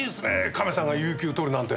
カメさんが有給取るなんて。